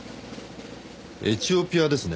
エチオピアですね。